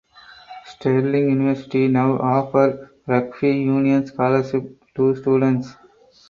Stirling University now offer rugby union scholarships to students.